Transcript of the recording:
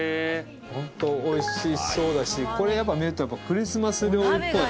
ホント美味しそうだしこれ見るとクリスマス料理っぽい。